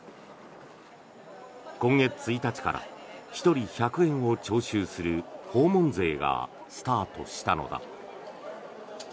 今月１日から１人１００円を徴収する訪問税がスタートしたのだ。